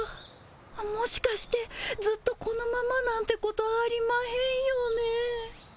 あっもしかしてずっとこのままなんてことありまへんよね。